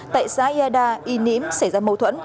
tại xã yeda y ním xảy ra mâu thuẫn